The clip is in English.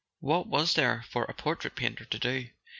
What was there for a portrait painter to do?